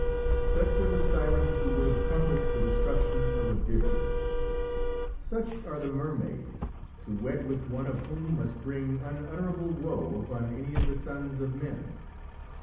Such were the sirens who would have compassed the destruction of Odysseus. Such are the mermaids, to wed with one of whom must bring unutterable woe upon any of the sons of men.